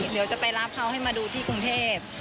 เดี๋ยวจะไปรับเขาให้มาดูที่กรุงเทพ